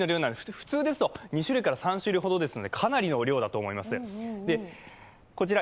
普通ですと２３種類ほどですのでかなりの量だと思います。